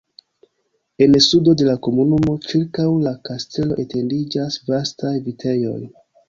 En sudo de la komunumo ĉirkaŭ la kastelo etendiĝas vastaj vitejoj.